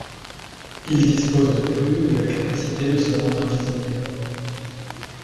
Ils disposent de plus de la capacité de se rendre invisibles.